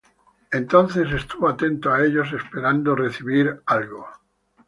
Entonces él estuvo atento á ellos, esperando recibir de ellos algo.